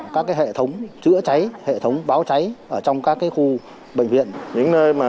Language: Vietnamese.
các dùng thiết bị chữa cháy thì mình để cách xa